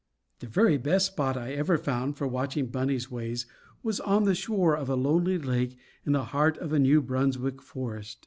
The very best spot I ever found for watching Bunny's ways was on the shore of a lonely lake in the heart of a New Brunswick forest.